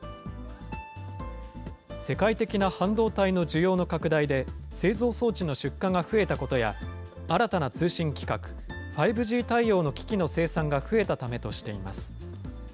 世界的な半導体の需要の拡大で、製造装置の出荷が増えたことや、新たな通信規格、５Ｇ対応の機器の生産が増えたためとしています。